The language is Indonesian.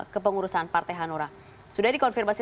kepengurusan partai hanura sudah dikonfirmasi